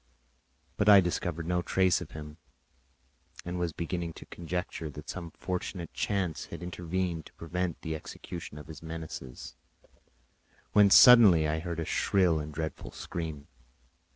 But I discovered no trace of him and was beginning to conjecture that some fortunate chance had intervened to prevent the execution of his menaces when suddenly I heard a shrill and dreadful scream.